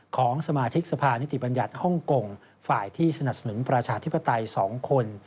ของสมาชิกสภานิติบัญญัติฮ่องกงฝ่ายที่สนับสนุนประชาธิปไตย๒คน